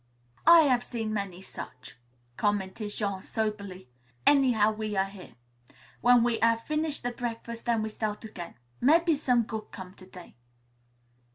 "I hav' seen many such," commented Jean soberly. "Anyhow we are here. W'en we hav' finish the breakfast then we start again. Mebbe some good come to day."